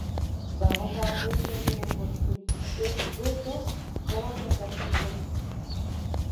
Vamos a aprender de los bolcheviques rusos cómo aplastar sus cuellos.